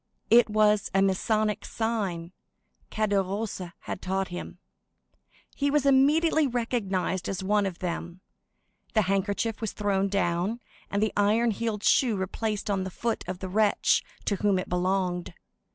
It was a Masonic sign Caderousse had taught him. He was immediately recognized as one of them; the handkerchief was thrown down, and the iron heeled shoe replaced on the foot of the wretch to whom it belonged.